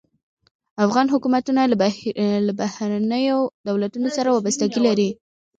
افغان حکومتونه له بهرنیو دولتونو سره وابستګي لري.